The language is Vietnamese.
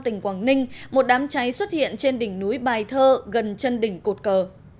tỉnh quảng ninh một đám cháy xuất hiện trên đỉnh núi bài thơ gần chân đỉnh cột cờ